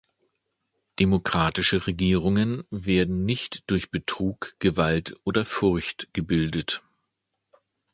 Demokratische Regierungen werden nicht durch Betrug, Gewalt oder Furcht gebildet.